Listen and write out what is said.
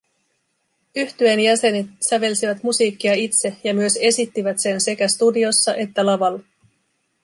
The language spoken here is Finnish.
Yhtyeen jäsenet sävelsivät musiikkia itse ja myös esittivät sen sekä studiossa että lavalla